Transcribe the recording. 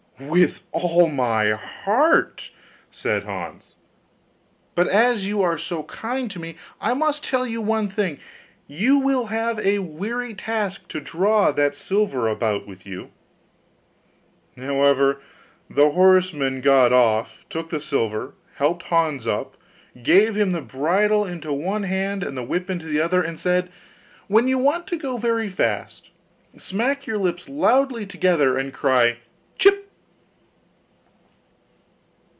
'With all my heart,' said Hans: 'but as you are so kind to me, I must tell you one thing you will have a weary task to draw that silver about with you.' However, the horseman got off, took the silver, helped Hans up, gave him the bridle into one hand and the whip into the other, and said, 'When you want to go very fast, smack your lips loudly together, and cry "Jip!"